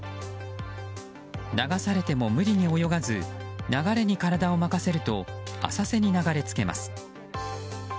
流されても無理に泳がず流れに体を任せると浅瀬に流れ着けます。